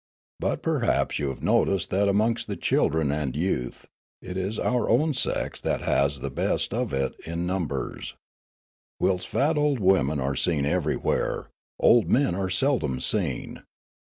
But per haps you have noticed that amongst the children and youth, it is our own sex that has the best of it in num bers ; whilst fat old women are seen everywhere, old men are seldom seen.